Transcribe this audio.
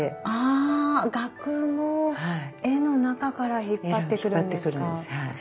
あ額も絵の中から引っ張ってくるんですか。